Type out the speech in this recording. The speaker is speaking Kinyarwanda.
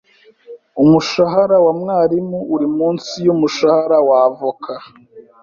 Umushahara wa mwarimu uri munsi yumushahara wa avoka.